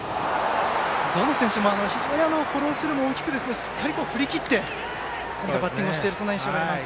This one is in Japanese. どの選手も非常にスイングも大きくしっかり振りきってバッティングをしている印象です。